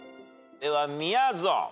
ではみやぞん。